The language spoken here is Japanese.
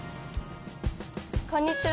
こんにちは。